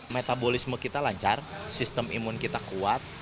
metabolisme kita lancar sistem imun kita kuat